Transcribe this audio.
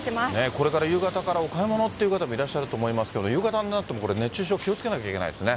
これから夕方からお買い物っていう方もいらっしゃると思いますけれども、夕方になっても、これ、熱中症、気をつけなきゃいけないですね。